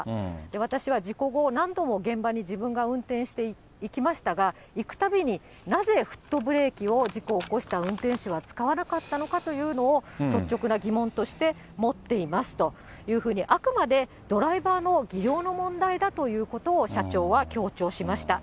私は事故後、何度も現場に自分が運転して行きましたが、行くたびに、なぜフットブレーキを、事故を起こした運転手は使わなかったのかというのを、率直な疑問として持っていますというふうに、あくまでドライバーの技量の問題だということを、社長は強調しました。